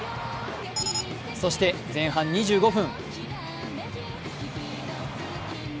そして前半２５分。